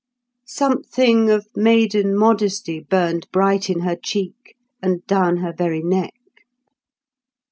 Something of maiden modesty burned bright in her cheek and down her very neck.